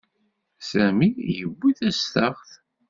Sami yewwi tastaɣt.